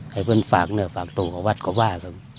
ให้พี่ปุ้นฝากโตหะวัดตอนว่า